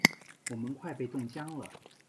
我们快被冻僵了！